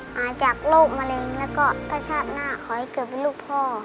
หายจากโรคมะเร็งแล้วก็ถ้าชาติหน้าขอให้เกิดเป็นลูกพ่อ